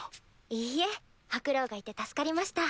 いいえハクロウがいて助かりました。